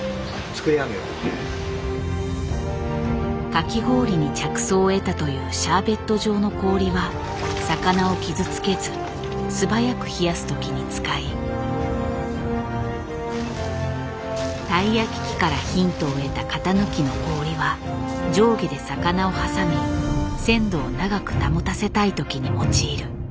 かき氷に着想を得たというシャーベット状の氷は魚を傷つけず素早く冷やす時に使いたい焼き器からヒントを得た型抜きの氷は上下で魚を挟み鮮度を長く保たせたい時に用いる。